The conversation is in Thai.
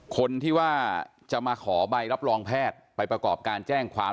คนที่ว่าจะมาขอใบรับรองแพทย์ไปประกอบการแจ้งความ